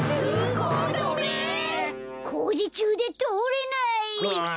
こうじちゅうでとおれない！くっ！